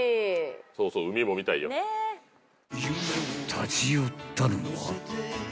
［立ち寄ったのは］